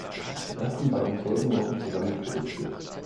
Die ersten beiden Folgen wurden zusammen produziert.